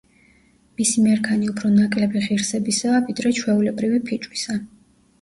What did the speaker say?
მისი მერქანი უფრო ნაკლები ღირსებისაა, ვიდრე ჩვეულებრივი ფიჭვისა.